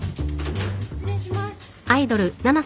失礼します。